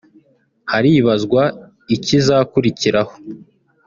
haribazwa ikizakurikiraho